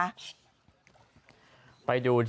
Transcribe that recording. ไปดูที่นี่